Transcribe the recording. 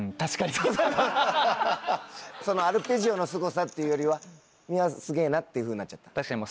そのアルペジオのすごさっていうよりはｍｉｗａすげぇなっていうふうになっちゃった。